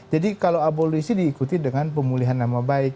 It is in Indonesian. jadi kalau abolisi diikuti dengan pemulihan nama baik